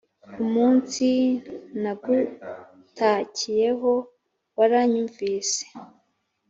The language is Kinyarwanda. Umunsi nagutakiyeho waranyumvise